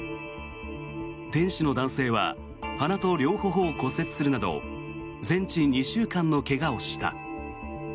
店主の男性は鼻と両頬を骨折するなど全治２週間の怪我をした。